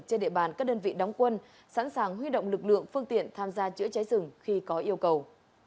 trên địa bàn các đơn vị đóng quân sẵn sàng huy động lực lượng phương tiện tham gia chữa cháy rừng khi có yêu cầu